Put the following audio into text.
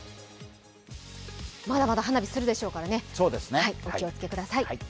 まだまだ花火するでしょうからね、お気をつけください。